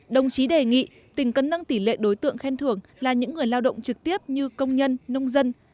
đồng chí đề nghị tỉnh cần nâng tỷ lệ đối tượng khen thưởng là những người lao động trực tiếp như công nhân nông dân